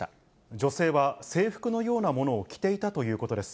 女性は、制服のようなものを着ていたということです。